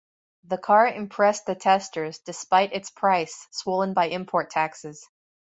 The car impressed the testers, despite its price, swollen by import taxes.